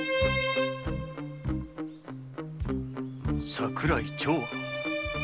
桜井長庵？